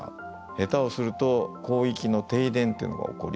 下手をすると広域の停電というのが起こりうるんですね。